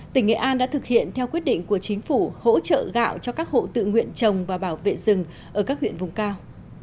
tỉnh nghệ an đã thực hiện theo quyết định của chính phủ hỗ trợ gạo cho các hộ tự nguyện trồng và bảo vệ rừng ở các huyện vùng cao